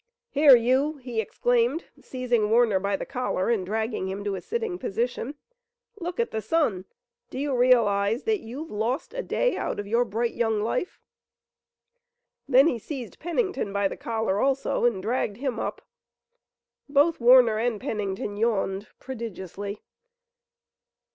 "Here, you," he exclaimed, seizing Warner by the collar and dragging him to a sitting position, "look at the sun! Do you realize that you've lost a day out of your bright young life?" Then he seized Pennington by the collar also and dragged him up. Both Warner and Pennington yawned prodigiously.